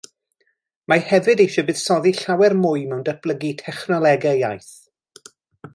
Mae hefyd eisiau buddsoddi llawer mwy mewn datblygu technolegau iaith.